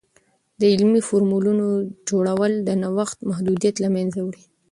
د علمي فورمونو جوړول، د نوښت محدودیت له منځه وړي.